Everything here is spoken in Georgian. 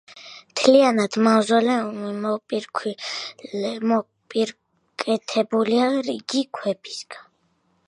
მთლიანად მავზოლეუმი მოპირკეთებულია რიგი ქვებისგან.